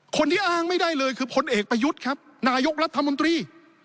คนที่อ้างไม่ได้เลยคือพลเอกประยุทธ์ครับนายกรัฐมนตรี